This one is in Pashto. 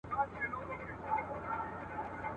چي مي څو ځله د وران او د زاړه سړک پر غاړه `